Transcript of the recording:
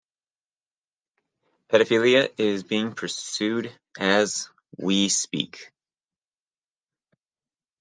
Pedophilia is being pursued as we speak ...